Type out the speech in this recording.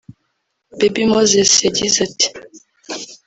Baby Moses yagize ati